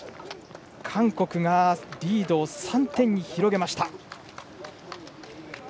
韓国、リードを３点に広げました。